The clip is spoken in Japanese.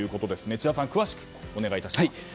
智田さん、詳しくお願いします。